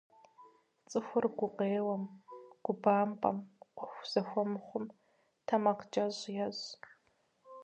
Цӏыхур гукъеуэм, губампӏэм, ӏуэху зэхуэмыхъум тэмакъкӏэщӏ ещӏ.